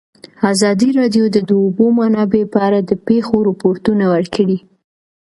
ازادي راډیو د د اوبو منابع په اړه د پېښو رپوټونه ورکړي.